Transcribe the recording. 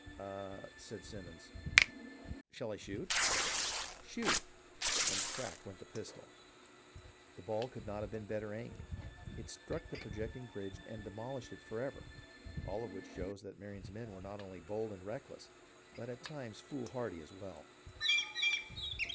" Ah," said Simons. " Shall I shoot .?"" Shoot !" and crack went the pistol. The ball could not have been better aimed. It struck the projecting bridge and demolished it forever — all of which shows that Marion's men were not only bold and reckless, but at times foolhardy as well.